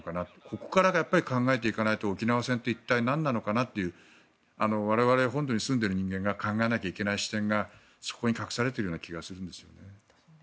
ここから考えていかないと沖縄戦って一体何なのかなって我々、本土に住んでいる人間が考えなきゃいけない視点がそこに隠されているような気がするんです。